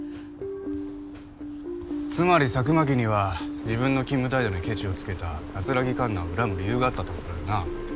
つまり佐久巻には自分の勤務態度にケチをつけた木かんなを恨む理由があったってことだよな。